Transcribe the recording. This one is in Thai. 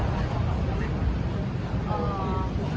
ฐานที่เรียนใจเยอะดัง